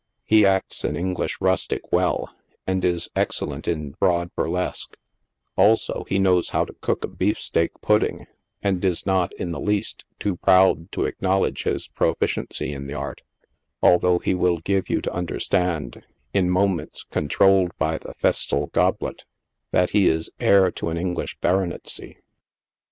He acts an English rustic well, and is excellent in broad burlesque ; also, he knows how to cook a beefsteak pudding, and is not, in the least, too proud to acknowledge his proficiency in the art, although he will give you to understand, in moments con trolled by the festal goblet, that he is heir to an English baronetcy.